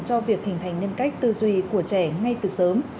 cho việc hình thành nhân cách tư duy của trẻ ngay từ sớm